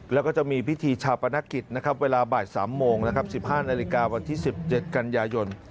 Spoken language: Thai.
แล้วก็จะมีพิธีชาปนกิจนะครับเวลาบ่าย๓โมงนะครับ๑๕นาฬิกาวันที่๑๗กันยายน